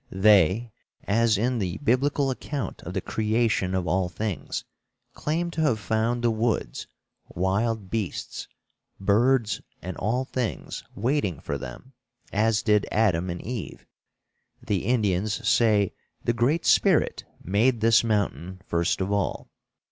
They, as in the Biblical account of the creation of all things, claim to have found the woods, wild beasts, birds and all things waiting for them, as did Adam and Eve. The Indians say the Great Spirit made this mountain first of all.